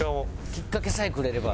きっかけさえくれれば。